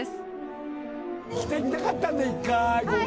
「来てみたかったんだ１回ここ」